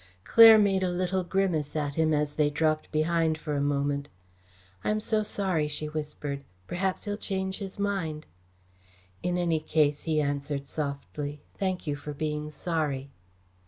Claire made a little grimace at him, as they dropped behind for a moment. "I am so sorry," she whispered. "Perhaps he'll change his mind." "In any case," he answered softly, "thank you for being sorry."